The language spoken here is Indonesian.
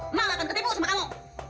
emang akan ketipu sama kamu